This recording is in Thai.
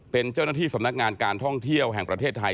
เป็นเจ้าหน้าที่สำนักงานการท่องเที่ยวแห่งประเทศไทย